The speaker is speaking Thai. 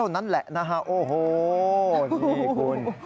นั่นแหละนะฮะโอ้โหนี่คุณ